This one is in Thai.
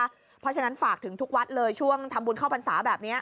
เพราะฉะนั้นฝากถึงทุกวัดเลยช่วงทำบุญเข้าพรรษาแบบนี้